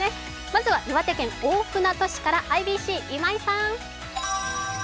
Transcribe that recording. まずは岩手県大船渡市からＩＢＣ・今井さん。